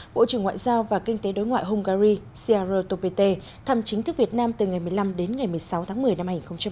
bộ trưởng ngoại giao và kinh tế đối ngoại hungary sierro topete thăm chính thức việt nam từ ngày một mươi năm đến ngày một mươi sáu tháng một mươi năm hai nghìn hai mươi